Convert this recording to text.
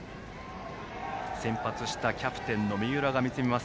先発したキャプテンの三浦が見つめます